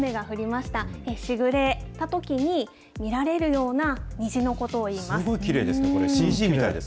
しぐれたときに見られるような虹のことをいいます。